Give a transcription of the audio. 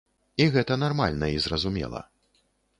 І гэта нармальна і зразумела.